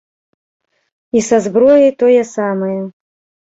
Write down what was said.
І са зброяй тое самае.